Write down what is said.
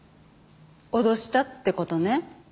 脅したって事ね。